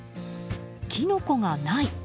キノコがない。